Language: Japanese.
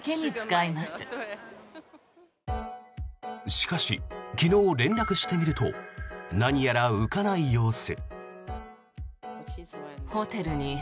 しかし、昨日連絡してみると何やら浮かない様子。